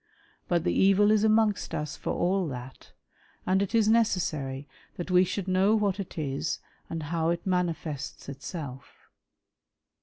But the evil is amongst us for all that, and it is necessary that we should know what it is and how it manifests itself.